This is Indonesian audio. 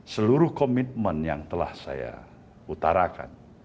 seluruh komitmen yang telah saya utarakan